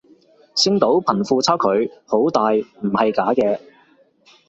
星島貧富差距好大唔係假嘅